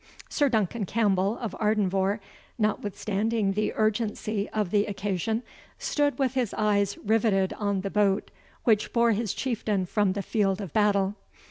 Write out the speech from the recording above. Sir Duncan Campbell of Ardenvohr, notwithstanding the urgency of the occasion, stood with his eyes riveted on the boat which bore his Chieftain from the field of battle.